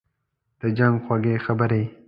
« د جنګ خوږې خبري